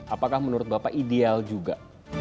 apakah menurut bapak ideal juga